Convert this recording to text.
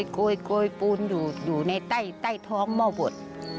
โกยปูนอยู่ในใต้ท้องหม้อบด